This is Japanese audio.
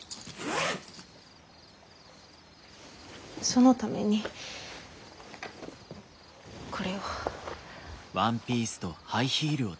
そのためにこれを。